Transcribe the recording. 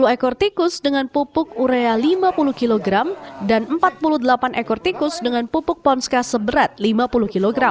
dua puluh ekor tikus dengan pupuk urea lima puluh kg dan empat puluh delapan ekor tikus dengan pupuk ponska seberat lima puluh kg